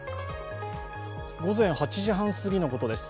午前８時半すぎのことです。